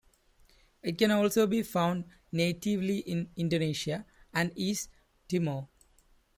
It can also be found natively in Indonesia and East Timor.